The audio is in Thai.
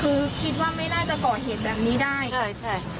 คือคิดว่าไม่น่าจะก่อเหตุแบบนี้ได้ใช่ใช่